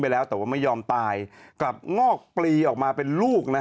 ผิดกฎหมายไป